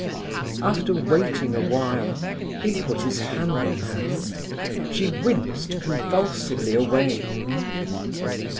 After waiting a while, he put his hand on her. She winced convulsively away.